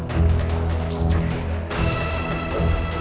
jepang saat ini